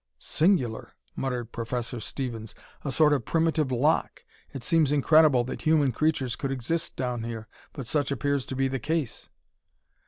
"Singular!" muttered Professor Stevens. "A sort of primitive lock. It seems incredible that human creatures could exist down here, but such appears to be the case."